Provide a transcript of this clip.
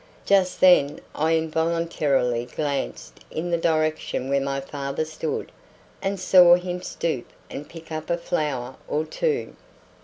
Just then I involuntarily glanced in the direction where my father stood, and saw him stoop and pick up a flower or two.